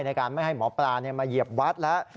ในการไม่ให้หมอปลามาเหยียบวัดแล้ว